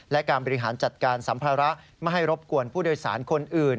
และการบริหารจัดการสัมภาระไม่ให้รบกวนผู้โดยสารคนอื่น